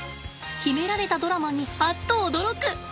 秘められたドラマにあっと驚く。